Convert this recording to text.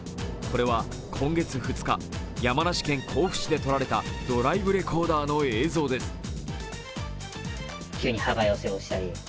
これは今月２日、山梨県甲府市で撮られたドライブレコーダーの映像です。